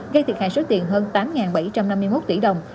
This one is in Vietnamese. gây thiệt hại số tiền hơn tám bảy trăm năm mươi một tỷ đồng